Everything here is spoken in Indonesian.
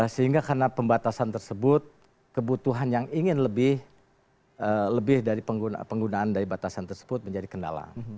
sehingga karena pembatasan tersebut kebutuhan yang ingin lebih dari penggunaan dari batasan tersebut menjadi kendala